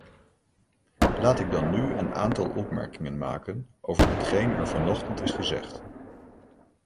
Laat ik dan nu een aantal opmerkingen maken over hetgeen er vanochtend is gezegd.